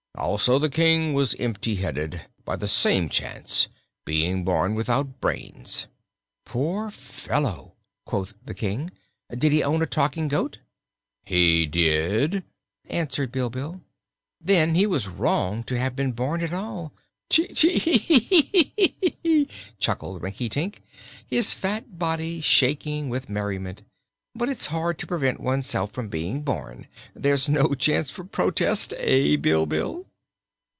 Also the King was empty headed by the same chance, being born without brains." "Poor fellow!" quoth the King. "Did he own a talking goat?" "He did," answered Bilbil. "Then he was wrong to have been born at all. Cheek eek eek eek, oo, hoo!" chuckled Rinkitink, his fat body shaking with merriment. "But it's hard to prevent oneself from being born; there's no chance for protest, eh, Bilbil?"